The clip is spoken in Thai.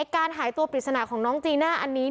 การหายตัวปริศนาของน้องจีน่าอันนี้